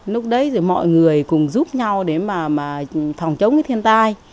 lúc đấy thì mọi người cùng giúp nhau để mà phòng chống cái thiên tai